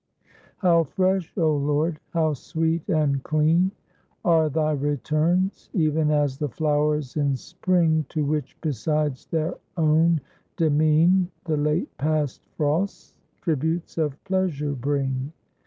"How fresh, O Lord, how sweet and clean Are Thy returns! even as the flowers in spring; To which, besides their own demean, The late past frosts tributes of pleasure bring.